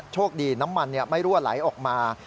โชคดีน้ำมันไม่รั่วไหลออกมา